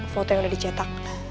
foto yang udah dicetak